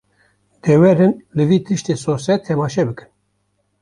De werin li vî tiştî sosret temaşe bikin